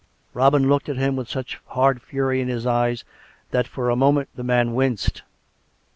Robin looked at him with such hard fury in his eyes that for a moment the man winced.